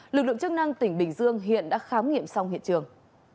lực lượng chức năng tỉnh bình dương hiện đã khám nghiệm xong hiện trường